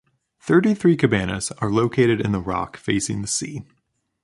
Thirty-three cabanas are located in the rock facing the sea.